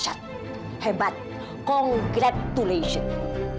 lihat dahsyat hebat congratulations